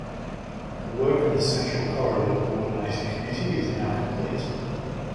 The work of the Central Corridor Coordinating Committee is now complete.